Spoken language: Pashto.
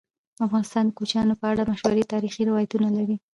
افغانستان د کوچیان په اړه مشهور تاریخی روایتونه لري.